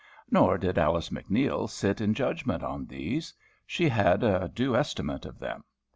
Nor did Alice MacNeil sit in judgment on these. She had a due estimate of them.